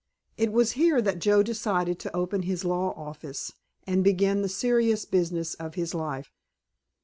It was here that Joe decided to open his law office and begin the serious business of his life.